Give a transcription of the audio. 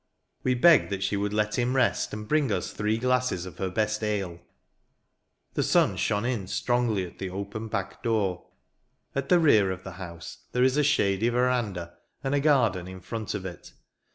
We begged that she would let him rest, and bring us three glasses of her best ale. The sun shone in strongly at the open back door. At the rear of the house, there is a shady verandah, and a garden in front of it.